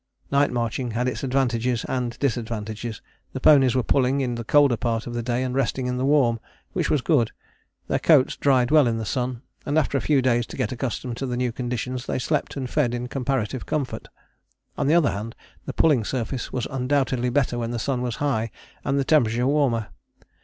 Night marching had its advantages and disadvantages. The ponies were pulling in the colder part of the day and resting in the warm, which was good. Their coats dried well in the sun, and after a few days to get accustomed to the new conditions, they slept and fed in comparative comfort. On the other hand the pulling surface was undoubtedly better when the sun was high and the temperature warmer.